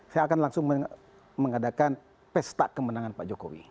saya akan langsung mengadakan pesta kemenangan pak jokowi